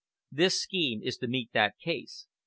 This scheme is to meet that case.